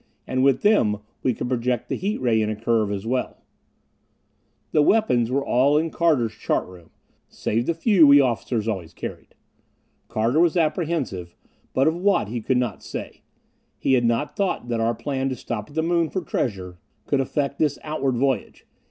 And with them, we could project the heat ray in a curve as well. The weapons were all in Carter's chart room, save the few we officers always carried. Carter was apprehensive, but of what he could not say. He had not thought that our plan to stop at the Moon for treasure could affect this outward voyage.